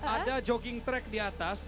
ada jogging track di atas